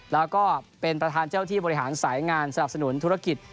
แล้วก็เป็นประธานเจ้าที่บริหารสายงานสนับสนุนธุรกิจ